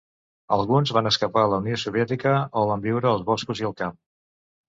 Alguns van escapar a la Unió Soviètica o van viure als boscos i al camp.